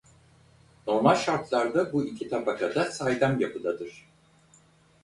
Normal şartlarda bu iki tabaka da saydam yapıdadır.